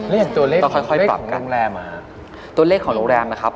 เรื่องจากตัวเลขของโรงแรมนะครับต่อค่อยปรับกันตัวเลขของโรงแรมนะครับ